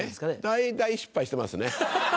大体失敗してますね。